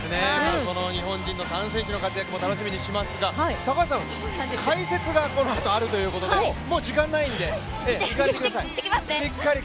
日本人の３選手の活躍も楽しみにしますが、高橋さん、解説がこのあとあるということでもう時間ないんで、行かれてください。